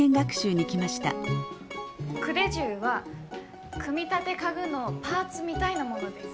組手什は組み立て家具のパーツみたいなものです。